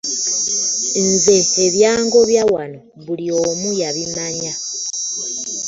Nze ebyangobya wano buli omu yabimanya.